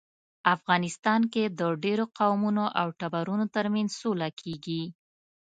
افغانستان کې د ډیرو قومونو او ټبرونو ترمنځ سوله کیږي